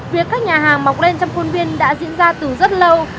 việc các nhà hàng mọc lên trong khuôn viên đã diễn ra từ rất lâu